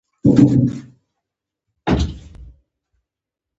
شینواري عزیزان خو ډېر میلمه پال او غیرتي خلک دي.